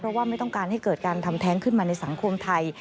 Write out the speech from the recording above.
เพราะว่าไม่ต้องการให้เกิดการทำแท้งขึ้นมาในสังคมไทย